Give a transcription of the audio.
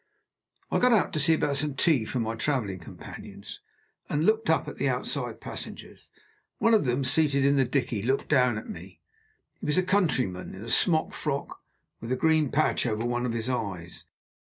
I got out to see about some tea for my traveling companions, and looked up at the outside passengers. One of them seated in the dickey looked down at me. He was a countryman in a smock frock, with a green patch over one of his eyes.